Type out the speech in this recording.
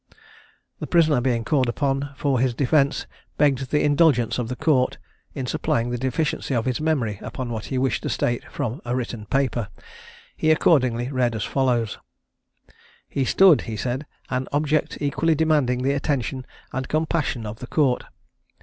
The prisoner, being called upon for his defence, begged the indulgence of the Court, in supplying the deficiency of his memory upon what he wished to state from a written paper. He accordingly read as follows: "He stood," he said, "an object equally demanding the attention and compassion of the Court.